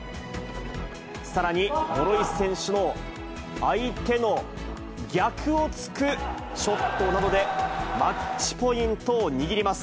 さらに諸石選手の相手の逆を突くショットなどで、マッチポイントを握ります。